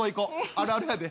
あるあるやで。